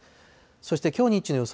そしてきょう日中の予想